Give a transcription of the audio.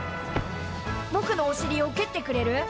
ぼくのおしりをけってくれる？